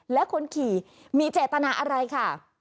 และคนขี่มีเจตนาอะไรค่ะ